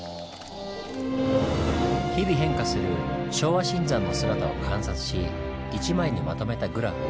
日々変化する昭和新山の姿を観察し一枚にまとめたグラフ。